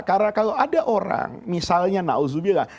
karena kalau ada orang misalnya na'udzubillah